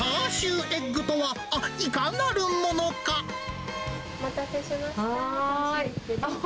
チャーシューエッグとは、お待たせしました。